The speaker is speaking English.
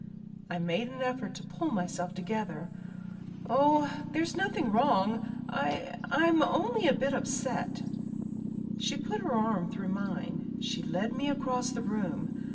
I made an effort to pull myself together. "Oh! there's nothing wrong. I I'm only a bit upset." She put her arm through mine. She led me across the room.